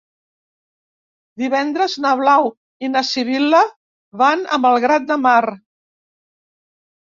Divendres na Blau i na Sibil·la van a Malgrat de Mar.